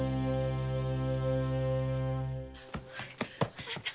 あなた！